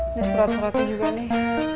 ini surat suratnya juga nih